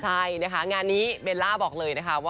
ใช่นะคะงานนี้เบลล่าบอกเลยนะคะว่า